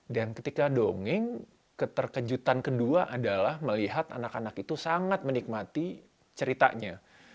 dan ketika dongeng keterkejutan kedua adalah melihat anak anak itu sangat menikmati ceritanya